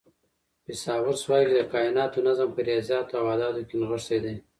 فیثاغورث وایي چې د کائناتو نظم په ریاضیاتو او اعدادو کې نغښتی دی.